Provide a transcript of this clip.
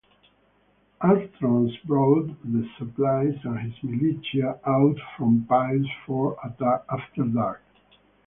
Armstrong brought the supplies and his militia out from Pyle's Ford after dark.